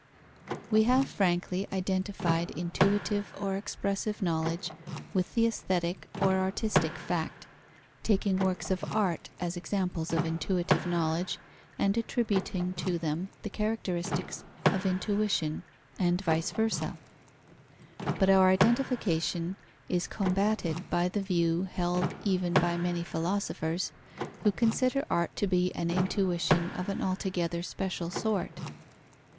_ We have frankly identified intuitive or expressive knowledge with the aesthetic or artistic fact, taking works of art as examples of intuitive knowledge and attributing to them the characteristics of intuition, and vice versa. But our identification is combated by the view, held even by many philosophers, who consider art to be an intuition of an altogether special sort.